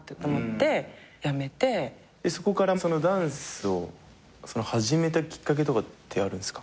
そこからダンスを始めたきっかけとかってあるんすか？